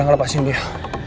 enggak aku bilang udah udah